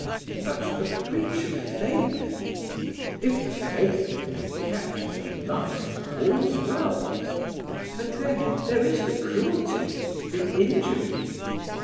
"But a breach of faith!" "If the faith can be kept through life, all's well." "And then there is the cruelty, the injury!"